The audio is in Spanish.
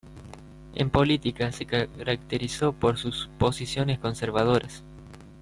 En política, se caracterizó por sus posiciones conservadoras.